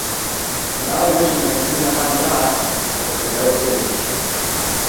ווען אַלע מענטשן זאָלן ציִען אויף איין זײַט וואָלט זיך די וועלט איבערגעקערט.